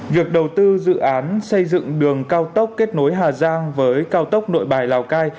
việc đầu tư dự án xây dựng đường cao tốc kết nối hà giang với cao tốc nội bài lào cai